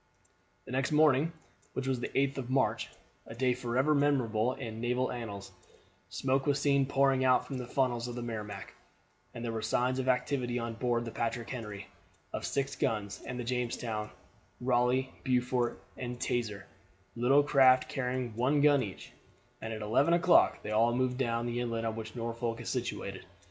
The next morning, which was the 8th of March a date forever memorable in naval annals smoke was seen pouring out from the funnels of the Merrimac, and there were signs of activity on board the Patrick Henry, of six guns, and the Jamestown, Raleigh, Beaufort, and Teazer, little craft carrying one gun each, and at eleven o'clock they all moved down the inlet on which Norfolk is situated.